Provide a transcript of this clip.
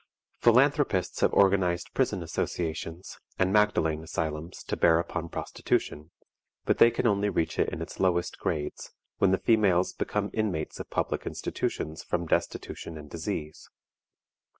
Philanthropists have organized Prison Associations and Magdalen Asylums to bear upon prostitution, but they can only reach it in its lowest grades, when the females become inmates of public institutions from destitution and disease.